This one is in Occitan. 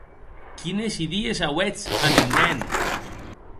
Quines idies auetz, amic mèn!